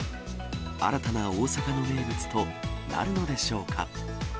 新たな大阪の名物となるのでしょうか。